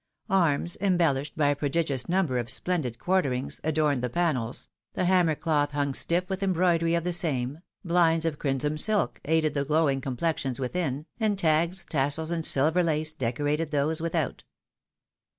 Arms, embellished by a prodigious number of splendid quarter ings, adorned the pane&, the hammer cloth hung stiff with embroidery of the same, blinds of crimson silk aided the glowing complexions within, and tags, tassels, and silver lace decorated those without.